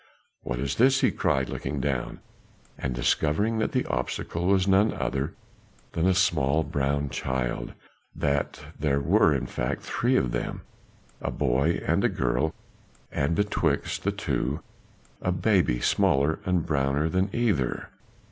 "What is this?" he cried, looking down, and discovering that the obstacle was none other than a small brown child; that there were, in fact, three of them, a boy and a girl and betwixt the two a baby, smaller and browner than either.